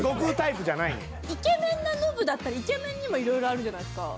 イケメンなノブだったらイケメンにもいろいろあるじゃないですか。